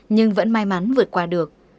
nhưng vẫn may mắn vượt qua được